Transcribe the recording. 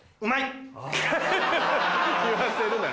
言わせるな。